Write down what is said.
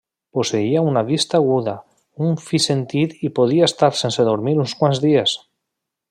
Posseïa una vista aguda, un fi sentit i podia estar sense dormir uns quants dies.